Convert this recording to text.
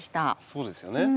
そうですよね。